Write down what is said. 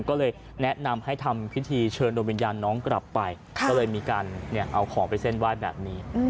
ก็เลยแนะนำให้ทำพิธีเชิญโดยวิญญาณน้องกลับไปก็เลยมีการเอาของไปเส้นไหว้แบบนี้